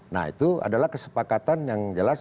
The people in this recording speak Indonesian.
nah itu adalah kesepakatan yang jelas